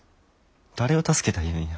誰を助けた言うんや。